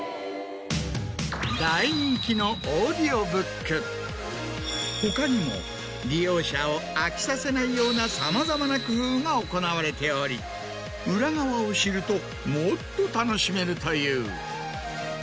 すごい。他にも利用者を飽きさせないようなさまざまな工夫が行われており裏側を知るともっと楽しめるという。